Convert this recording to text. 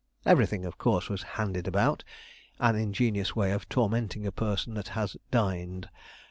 Everything, of course, was handed about an ingenious way of tormenting a person that has 'dined.'